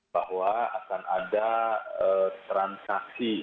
bahwa akan ada transaksi